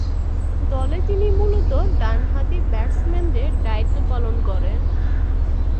দলে তিনি মূলতঃ ডানহাতি ব্যাটসম্যানের দায়িত্ব পালন করেন।